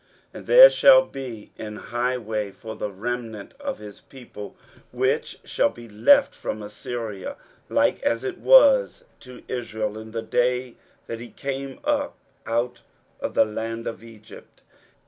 23:011:016 And there shall be an highway for the remnant of his people, which shall be left, from Assyria; like as it was to Israel in the day that he came up out of the land of Egypt.